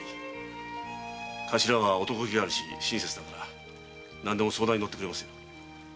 頭は男気があるし親切だから何でも相談に乗ってくれますよ。